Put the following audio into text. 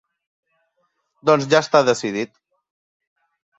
Doncs ja està decidit.